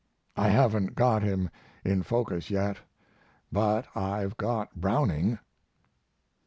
I haven't got him in focus yet, but I've got Browning.